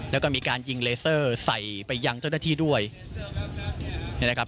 แล้วก็มีการยิงเลเซอร์ใส่ไปยังเจ้าหน้าที่ด้วยนี่นะครับ